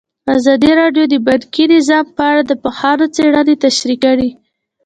ازادي راډیو د بانکي نظام په اړه د پوهانو څېړنې تشریح کړې.